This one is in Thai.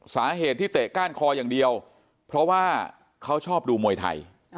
สาเหตุที่เตะก้านคออย่างเดียวเพราะว่าเขาชอบดูมวยไทย